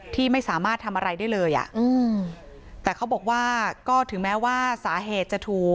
ที่ไม่สามารถทำอะไรได้เลยอ่ะอืมแต่เขาบอกว่าก็ถึงแม้ว่าสาเหตุจะถูก